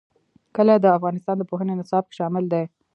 کلي د افغانستان د پوهنې نصاب کې شامل دي.